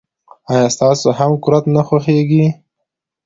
آیا تاسو هم کورت نه خوښیږي.